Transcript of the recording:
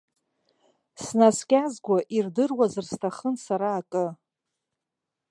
Снаскьазго ирдыруазар сҭахын сара акы.